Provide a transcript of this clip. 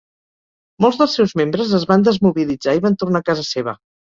Molts dels seus membres es van desmobilitzar i van tornar a casa seva.